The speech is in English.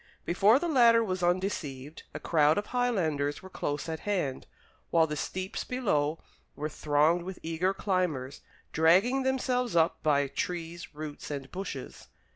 Before the latter was undeceived, a crowd of Highlanders were close at hand, while the steeps below were thronged with eager climbers, dragging themselves up by trees, roots, and bushes.